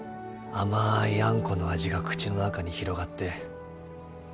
甘いあんこの味が口の中に広がって。